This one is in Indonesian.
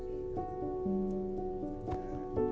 mereka bisa melihat keadaan mereka sendiri